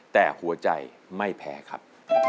แต่หัวใจไม่แพ้ครับ